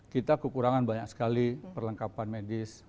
kita kekurangan banyak sekali perlengkapan medis